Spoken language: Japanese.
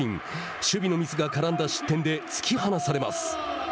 守備のミスが絡んだ失点で突き放されます。